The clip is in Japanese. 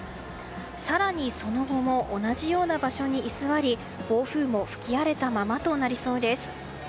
更に、その後も同じような場所に居座り暴風も吹き荒れたままとなりそうです。